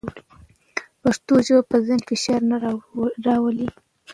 پښتو ژبه پر ذهن فشار نه راولي.